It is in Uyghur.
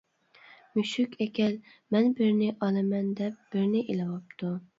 مۈشۈك-ئەكەل مەن بىرنى ئالىمەن دەپ بىرنى ئېلىۋاپتۇ.